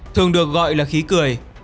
thường được gọi là khí cười